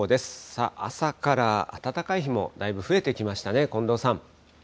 さあ、朝から暖かい日もだいぶ増えてきましたね。